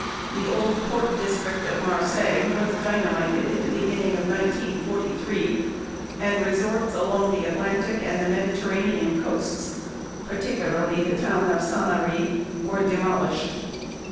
The Old Port District of Marseilles was dynamited in the beginning of 1943 and resorts along the Atlantic and the Mediterranean coasts, particularly the town of Sanary, were demolished.